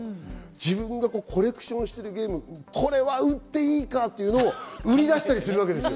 自分がコレクションしてるゲーム、これは売っていいかっていうのを売り出したりするわけですよ。